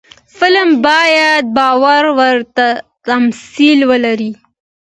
فلم باید باور وړ تمثیل ولري